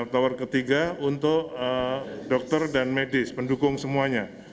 tower ketiga untuk dokter dan medis pendukung semuanya